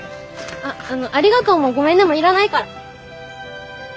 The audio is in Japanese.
あっあの「ありがとう」も「ごめんね」もいらないから。